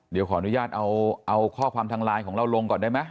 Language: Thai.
เดี๋ยวขออนุญาตเอาข้อความทางไลน์ของเราลงก่อนได้ไหม